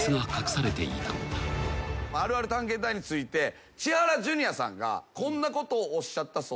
あるある探検隊について千原ジュニアさんがこんなことをおっしゃったそうです。